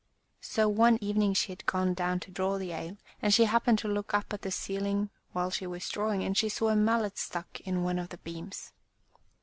So one evening she had gone down to draw the ale, and she happened to look up at the ceiling while she was drawing, and she saw a mallet stuck in one of the beams.